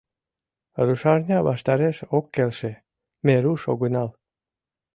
Рушарня ваштареш ок келше, ме руш огынал.